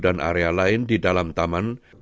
area lain di dalam taman